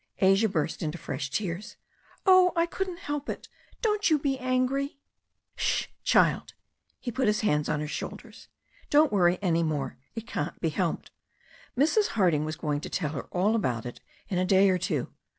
Asia burst into fresh tears. "Oh, I couldn't help it. Don't you be angry '* "Sh ! child." He put his hands on her shoulders. "Don't worry any more. It can't be helped. Mrs. Harding was going to tell her all about it in a day or two.